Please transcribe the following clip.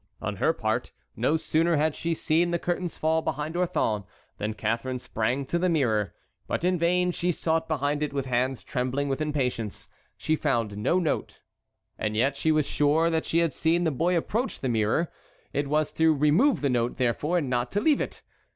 On her part, no sooner had she seen the curtains fall behind Orthon than Catharine sprang to the mirror. But in vain she sought behind it with hands trembling with impatience. She found no note. And yet she was sure that she had seen the boy approach the mirror. It was to remove the note, therefore, and not to leave it.